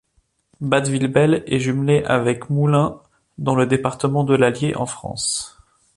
Bad Vilbel est jumelée avec Moulins dans le département de l'Allier en France.